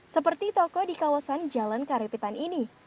seperti toko di kawasan jalan karipitan ini